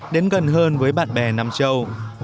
đến gần hơn với bạn bè nam châu